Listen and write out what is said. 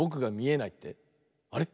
あれ？